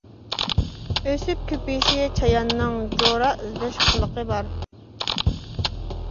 ئۆسۈپ كۆپىيىشى چاياننىڭ جورا ئىزدەش قىلىقى بار.